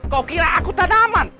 kau kira aku tanaman